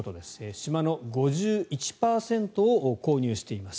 島の５１％を購入しています。